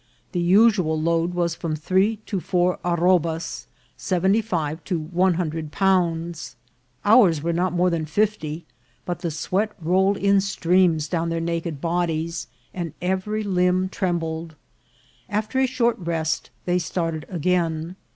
The usual load was from three to four arro bas, seventy five to one hundred pounds ; ours were not more than fifty ; but the sweat rolled in streams down their naked bodies, and every limb trembled. After a short rest they started again.